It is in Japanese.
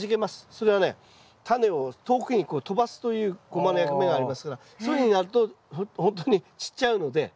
それはねタネを遠くに飛ばすというゴマの役目がありますからそういうふうになるとほんとに散っちゃうので。